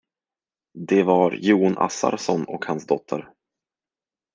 De var Jon Assarsson och hans dotter.